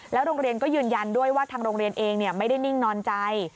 โรงเรียนก็ยืนยันด้วยว่าทางโรงเรียนเองไม่ได้นิ่งนอนใจ